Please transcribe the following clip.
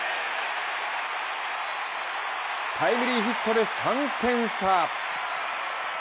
タイムリーヒットで３点差。